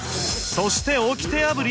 そしておきて破り？